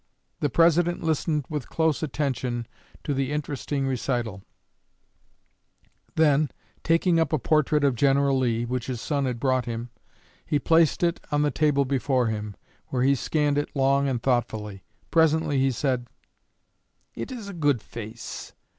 The President listened with close attention to the interesting recital; then, taking up a portrait of General Lee, which his son had brought him, he placed it on the table before him, where he scanned it long and thoughtfully. Presently he said: "It is a good face.